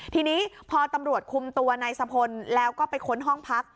ทีนี้พอตำรวจคุมตัวนายสะพลแล้วก็ไปค้นห้องพัก